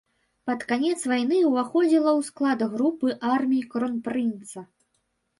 Пад канец вайны ўваходзіла ў склад групы армій кронпрынца.